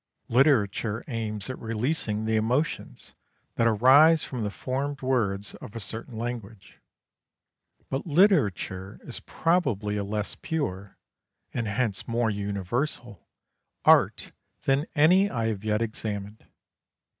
Literature aims at releasing the emotions that arise from the formed words of a certain language. But literature is probably a less pure and hence more universal art than any I have yet examined.